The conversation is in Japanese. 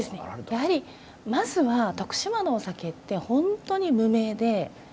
やはりまずは徳島のお酒ってホントに無名で。